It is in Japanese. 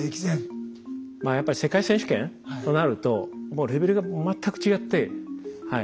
まあやっぱり世界選手権となるともうレベルが全く違ってはい。